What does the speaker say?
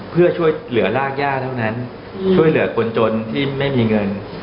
เพื่อช่วยเหลือรากย่าเท่านั้นช่วยเหลือคนจนที่ไม่มีเงิน